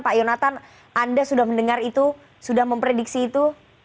pak yonatan anda sudah mendengar itu sudah memprediksi itu